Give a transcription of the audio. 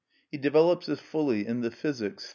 He develops this fully in the "Physics," iii.